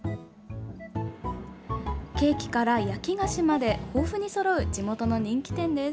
ケーキから焼き菓子まで豊富にそろう地元の人気店です。